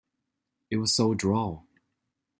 It was so droll!